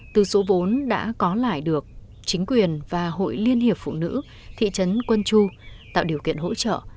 từ số vốn đã có lại được chính quyền và hội liên hiệp phụ nữ thị trấn quân chu tạo điều kiện hỗ trợ